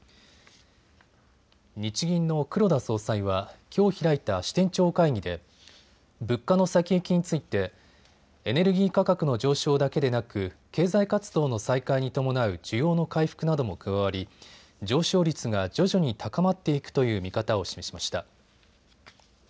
日銀の黒田総裁はきょう開いた支店長会議で物価の先行きについてエネルギー価格の上昇だけでなく経済活動の再開に伴う需要の回復なども加わり上昇率が徐々に高まっていくという見方を示しました。